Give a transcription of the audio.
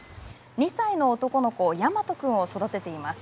２歳の男の子大隼君を育てています。